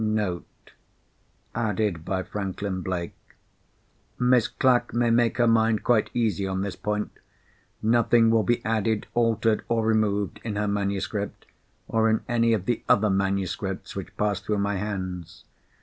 * [*Note. Added by Franklin Blake.—Miss Clack may make her mind quite easy on this point. Nothing will be added, altered or removed, in her manuscript, or in any of the other manuscripts which pass through my hands.